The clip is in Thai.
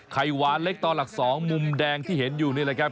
ไข่หวานเล็กต่อหลัก๒มุมแดงที่เห็นอยู่นี่แหละครับ